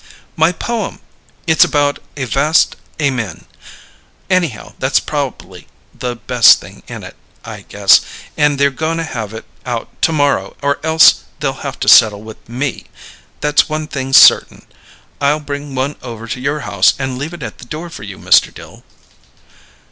"My poem. It's about a vast amen anyhow, that's proba'ly the best thing in it, I guess and they're goin' to have it out to morrow, or else they'll have to settle with me; that's one thing certain! I'll bring one over to your house and leave it at the door for you, Mr. Dill."